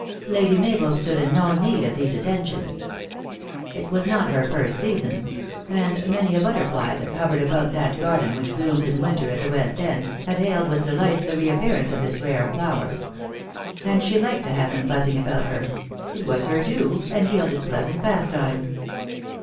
Lady Mabel stood in no need of these attentions. It was not her first season ; and many a butterfly, that hovered about that garden which blooms in win ter at the West End, had hailed with delight the re appearance of this rare flower. And she liked to have them buzzing about her ; it was her due, and yielded pleasant pastime.